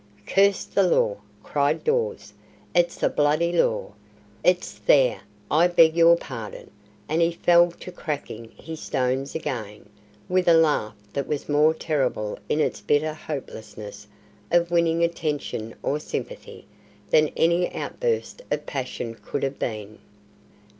"Curse the Law!" cries Dawes. "It's a Bloody Law; it's there, I beg your pardon," and he fell to cracking his stones again, with a laugh that was more terrible in its bitter hopelessness of winning attention or sympathy, than any outburst of passion could have been.